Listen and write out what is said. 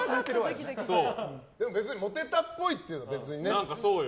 別にモテたっぽいっていうのは別にね。